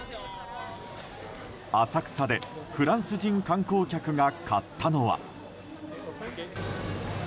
浅草でフランス人観光客が買ったのは。